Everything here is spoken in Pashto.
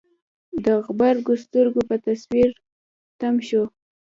د غبرګو سترګو په تصوير تم شو.